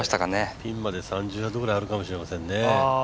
ピンまで３０ヤードぐらいあるかもしれないですね。